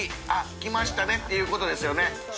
△来ましたねっていうことですよね。